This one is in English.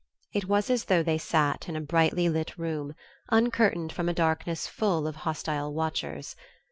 It was as though they sat in a brightly lit room, uncurtained from a darkness full of hostile watchers....